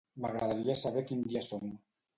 M'agradaria saber a quin dia som.